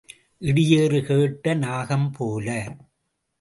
இடியேறு கேட்ட நாகம் போல.